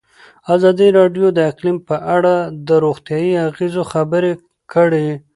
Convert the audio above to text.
ازادي راډیو د اقلیم په اړه د روغتیایي اغېزو خبره کړې.